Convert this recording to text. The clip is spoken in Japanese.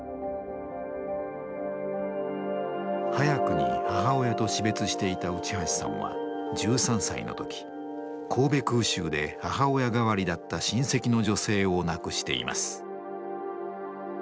早くに母親と死別していた内橋さんは１３歳の時神戸空襲で母親代わりだった親戚の女性を亡くしています。